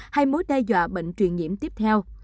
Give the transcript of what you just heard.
hay mối đe dọa bệnh truyền nhiễm tiếp theo